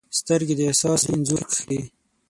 سترګې د احساس انځور کښي